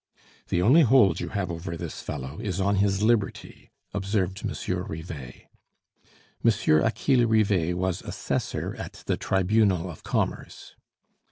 "The only hold you have over this fellow is on his liberty," observed Monsieur Rivet. Monsieur Achille Rivet was assessor at the Tribunal of Commerce.